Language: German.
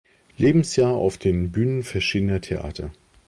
Lebensjahr auf den Bühnen verschiedener Theater.